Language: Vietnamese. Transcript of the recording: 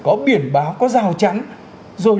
có biển báo có dao chắn rồi